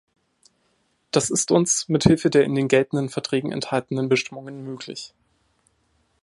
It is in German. Das ist uns mithilfe der in den geltenden Verträgen enthaltenen Bestimmungen möglich.